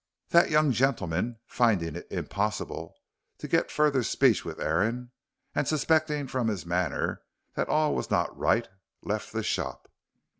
That young gentleman, finding it impossible to get further speech with Aaron, and suspecting from his manner that all was not right, left the shop.